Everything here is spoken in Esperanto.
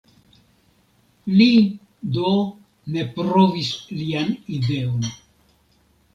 Li do ne provis lian ideon.